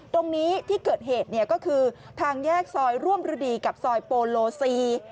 ตรงนี้ที่เกิดเหตุเนี่ยก็คือทางแยกซอยร่วมฤดีกับซอยโปโลซี